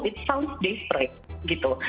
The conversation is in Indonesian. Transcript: itu terdengar daybreak gitu